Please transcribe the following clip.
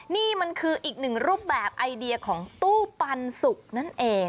นี่มันคืออีกหนึ่งรูปแบบไอเดียของตู้ปันสุกนั่นเอง